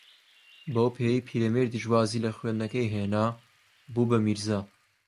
بەو پێیەی پیرەمێردیش وازی لە خوێندنەکەی ھێنا، بوو بە میرزا